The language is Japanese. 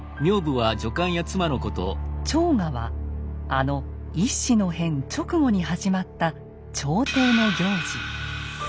「朝賀」はあの乙巳の変直後に始まった朝廷の行事。